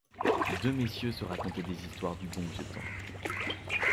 Deux messieurs se racontaient des histoires du bon vieux temps.